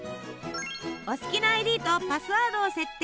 お好きなＩＤとパスワードを設定。